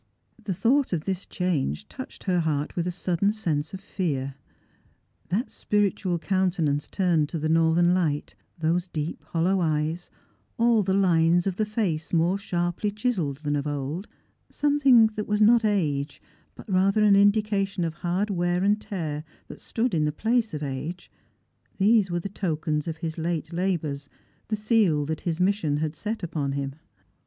The thought of this change touched her heart with a sud den sense of fear. That spii itual countenance turned to the northern light, those deep hollow eyes, all the lines of the face more 8harY)ly chiselled than of old, something that was not Strangers and Pilgrims. 283 Bge, but rather an indication of hard wear and tear that stood in the place of age^these were the tokens of his late labours, the seal that his mission had set upon him.